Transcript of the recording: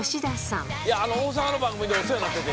大阪の番組でお世話になってて。